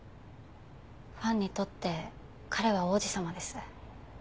ファンにとって彼は王子様です。